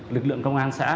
lực lượng công an xã